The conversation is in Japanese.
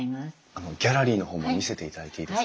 あのギャラリーの方も見せていただいていいですか？